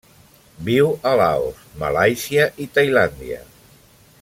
Viu a Laos, Malàisia i Tailàndia.